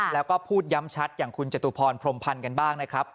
แล้วก็พูดย้ำชัดอย่างคุณจตุพรพรมพันธ์กันบ้างนะครับ